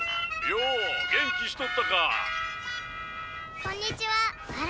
「よお元気しとったか」